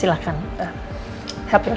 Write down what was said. silahkan bantu dirimu